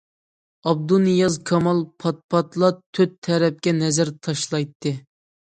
ئابدۇنىياز كامال پات- پاتلا تۆت تەرەپكە نەزەر تاشلايتتى.